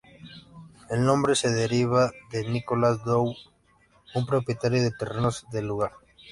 El nombre se deriva de Nicholas Low, un propietario de terrenos del lugar.